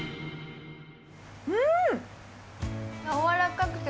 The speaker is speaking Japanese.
うん！